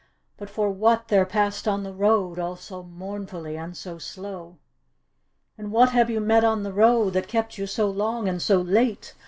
But for what there passed on the road All so mournfully and so slow." " And what have you met on the road That kept you so long and so late